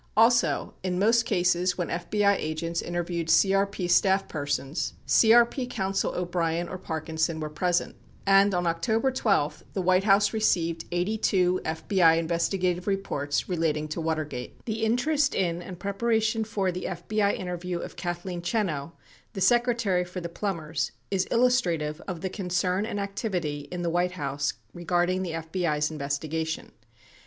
18 Also, in most cases when FBI agents interviewed CRP staff persons, CRP counsel O'Brien or Parkinson were present. And, on October 12, the White House received 82 FBI investigative repo its relating to Watergate. 19 The interest in and preparation for the FBI interview of Kathleen Chenow, the secretary for the Plumbers, is illustrative of the concern and activity in the White House regarding the FBI's investigation.